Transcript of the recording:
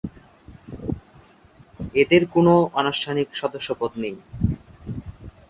এদের কোন আনুষ্ঠানিক সদস্যপদ নেই।